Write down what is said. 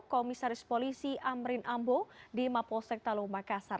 komisaris polisi amrin ambo di mapolsek talu makassar